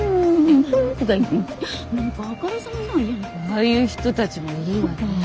ああいう人たちもいいわねぇ。